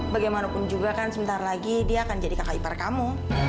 bagaimanapun juga kan sebentar lagi dia akan jadi kakak ipar kamu